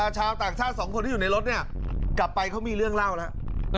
ชาวต่างชาติสองคนที่อยู่ในรถเนี่ยกลับไปเขามีเรื่องเล่าแล้ว